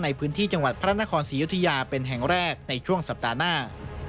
ในพื้นที่จังหวัดพระนครศรียุธยาเป็นแห่งแรกในช่วงสัปดาห์หน้า